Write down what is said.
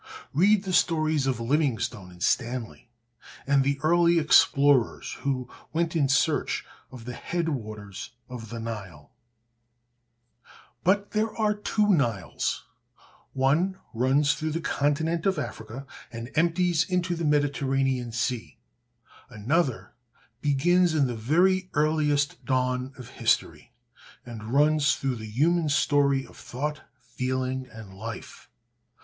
Read the stories of Livingstone and Stanley, and the early explorers, who went in search of the head waters of the Nile. [Illustration: A MOUNTAIN RIVER. CHICAGO COLORTYPE CO.] But there are two Niles. One runs through the continent of Africa, and empties into the Mediterranean Sea. Another begins in the very earliest dawn of history, and runs through the human story of thought, feeling, and life.